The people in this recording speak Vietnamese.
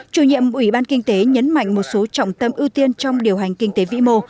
chủ nhiệm ủy ban kinh tế nhấn mạnh một số trọng tâm ưu tiên trong điều hành kinh tế vĩ mô